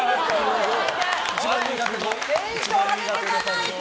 テンション上げていかないと！